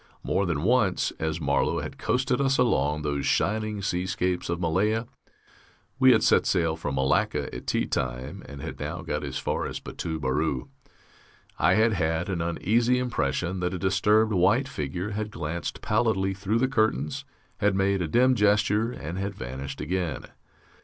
More than once, as Marlow had coasted us along those shining seascapes of Malaya we had set sail from Malacca at tea time, and had now got as far as Batu Beru I had had an uneasy impression that a disturbed white figure had glanced pallidly through the curtains, had made a dim gesture, and had vanished again....